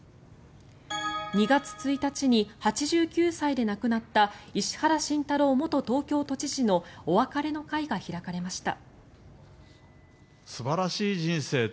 ２月１日に８９歳で亡くなった石原慎太郎元東京都知事のお別れの会が開かれました。